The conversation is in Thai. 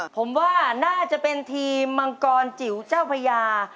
ผมว่าน่าจะเป็นทีมมังกรจิ๋วเจ้าพญา